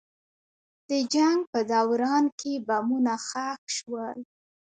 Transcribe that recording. د جنګ په دوران کې بمونه ښخ شول.